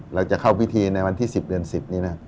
เราจะเข้าพิธีในวันที่๑๐เดือน๑๐นี้นะ